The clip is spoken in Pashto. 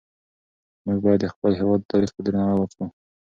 موږ باید د خپل هېواد تاریخ ته درناوی وکړو.